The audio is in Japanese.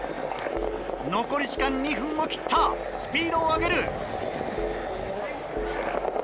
残り時間２分も切ったスピードを上げる。